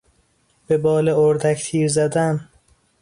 به بال اردک تیر زدن